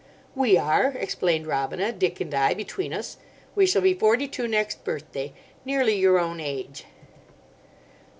"We are," explained Robina, "Dick and I—between us. We shall be forty two next birthday. Nearly your own age."